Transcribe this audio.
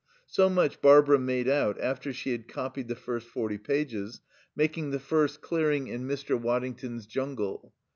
So much Barbara made out after she had copied the first forty pages, making the first clearing in Mr. Waddington's jungle.